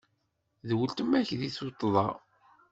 D weltma-k di tuṭṭda.